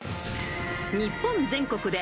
［日本全国で］